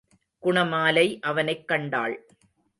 குணமாலை அவனைக் கண்டாள்.